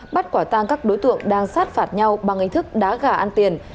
bắt quả tang các đối tượng đang sát phạt nhau bằng hình thức đá gà ăn tiền